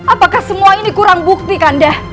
apakah semua ini kurang bukti kanda